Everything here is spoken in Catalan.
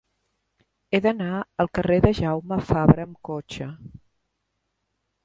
He d'anar al carrer de Jaume Fabre amb cotxe.